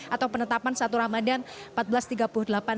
atau penetapan satu ramadhan